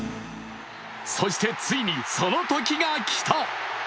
そして、ついにそのときが来た。